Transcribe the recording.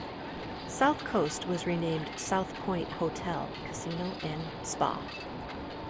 South Coast was renamed South Point Hotel, Casino and Spa.